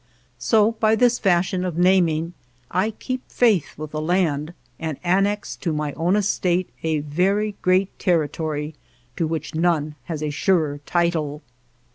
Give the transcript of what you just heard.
So by this fashion of naming I keep faith with the land and annex to my own estate a very great territory to which none has a surer title.